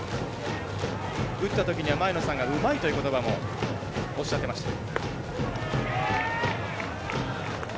打ったときには前野さんが「うまい」ということばもおっしゃっていました。